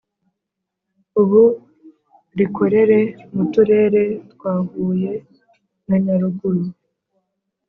ubu rikorere mu Turere twa Huye na Nyaruguru